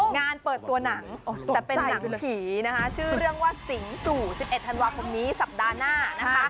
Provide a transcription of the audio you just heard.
งานเปิดตัวหนังแต่เป็นหนังผีนะคะชื่อเรื่องว่าสิงสู่๑๑ธันวาคมนี้สัปดาห์หน้านะคะ